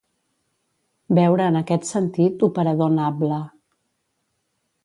Veure en aquest sentit operador nabla.